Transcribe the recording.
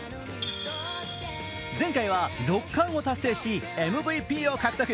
前回は６冠を達成しＭＶＰを獲得。